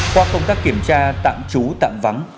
qua công tác kiểm tra tạm trú tạm vắng